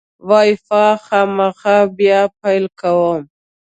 وای فای خامخا بیا پیل کوم.